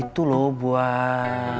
itu loh buat